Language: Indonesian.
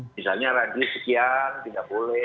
misalnya rajin sekian tidak boleh